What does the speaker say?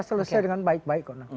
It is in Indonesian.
selesai dengan baik baik